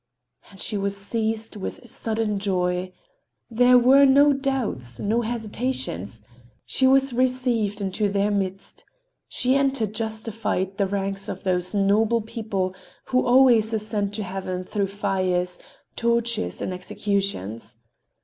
And she was seized with sudden joy. There were no doubts, no hesitations—she was received into their midst—she entered justified the ranks of those noble people who always ascend to heaven through fires, tortures and executions.